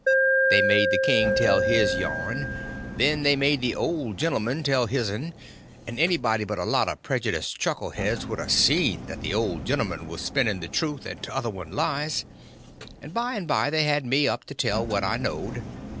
They made the king tell his yarn, and they made the old gentleman tell his'n; and anybody but a lot of prejudiced chuckleheads would a seen that the old gentleman was spinning truth and t'other one lies. And by and by they had me up to tell what I knowed.